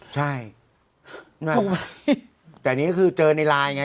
ใช่แต่นี้ก็คือเจอในไลน์ไง